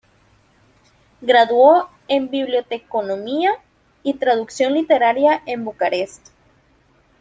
Graduó en biblioteconomía y traducción literaria en Bucarest.